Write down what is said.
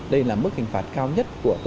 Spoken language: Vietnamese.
đây là mức hình phạt cao nhất của tù